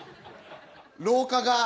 廊下が！